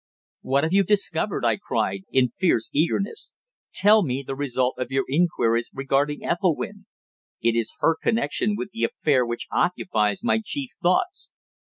"What have you discovered?" I cried, in fierce eagerness. "Tell me the result of your inquiries regarding Ethelwynn. It is her connection with the affair which occupies my chief thoughts."